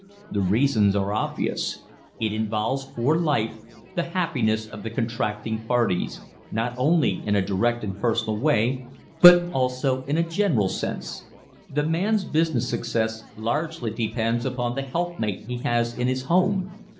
The reasons are obvious. It involves for life the happiness of the contracting parties not only in a direct and personal way, but also in a general sense. The man's business success largely depends upon the helpmate he has in his home.